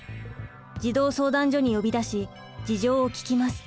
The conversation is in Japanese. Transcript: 児童相談所に呼び出し事情を聴きます。